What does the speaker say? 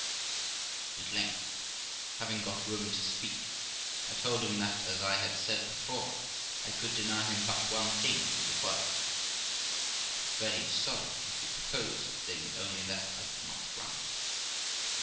At length, having got room to speak, I told him that, as I had said before, I could deny him but one thing in the world ; I was very sorry he should propose that thing only that I could not grant.